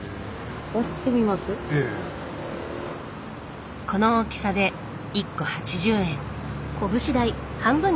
この大きさで一個８０円。